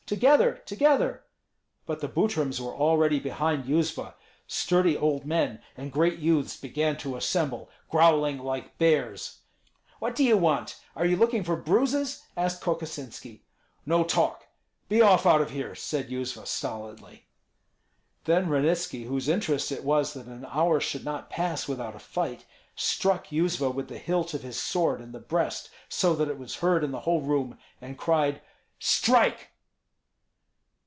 together, together!" But the Butryms were already behind Yuzva; sturdy old men and great youths began to assemble, growling like bears. "What do you want? Are you looking for bruises?" asked Kokosinski. "No talk! Be off out of here!" said Yuzva, stolidly. Then Ranitski, whose interest it was that an hour should not pass without a fight, struck Yuzva with the hilt of his sword in the breast, so that it was heard in the whole room, and cried, "Strike!"